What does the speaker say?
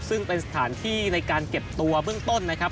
ซึ่งเป็นสถานที่ในการเก็บตัวเบื้องต้นนะครับ